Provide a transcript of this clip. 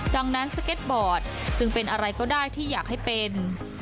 ดังนั้นสเก็ตบอร์ดจึงเป็นอะไรก็ได้ที่อยากให้เป็น